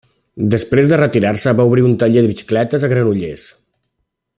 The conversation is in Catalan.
Després de retirar-se va obrir un taller de bicicletes a Granollers.